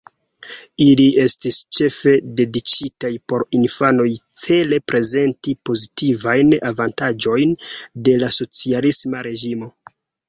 Ili estis ĉefe dediĉitaj por infanoj cele prezenti pozitivajn avantaĝojn de la socialisma reĝimo.